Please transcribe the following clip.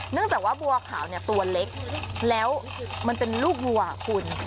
จากว่าบัวขาวเนี่ยตัวเล็กแล้วมันเป็นลูกวัวคุณ